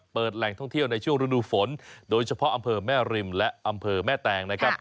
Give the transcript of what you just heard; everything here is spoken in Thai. แหล่งท่องเที่ยวในช่วงฤดูฝนโดยเฉพาะอำเภอแม่ริมและอำเภอแม่แตงนะครับ